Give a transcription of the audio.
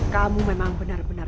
kamu memang benar benar